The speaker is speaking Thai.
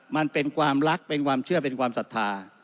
มันเป็นความรักเป็นความเชื่อเป็นความศรัทธา